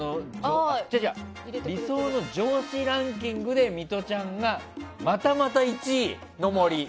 理想の上司ランキングでミトちゃんがまたまた１位の森。